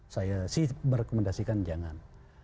saya merekomendasikan jangan